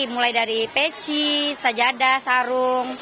mulai dari peci sejadah sarung